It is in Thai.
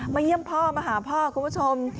เยี่ยมพ่อมาหาพ่อคุณผู้ชม